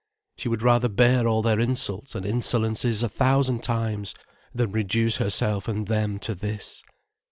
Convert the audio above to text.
She would rather bear all their insults and insolences a thousand times than reduce herself and them to this.